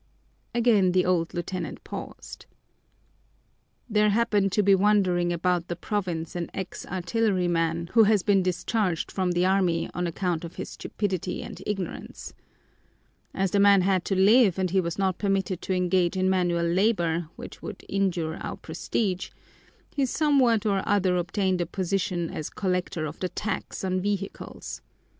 Again the old lieutenant paused. "There happened to be wandering about the province an ex artilleryman who has been discharged from the army on account of his stupidity and ignorance. As the man had to live and he was not permitted to engage in manual labor, which would injure our prestige, he somehow or other obtained a position as collector of the tax on vehicles.